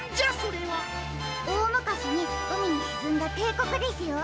おおむかしにうみにしずんだていこくですよ。